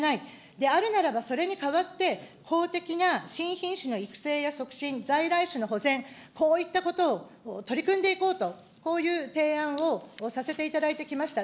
であるならばそれに代わって法的な新品種の育成や促進、在来種の保全、こういったことを取り組んでいこうと、こういう提案をさせていただいてきました。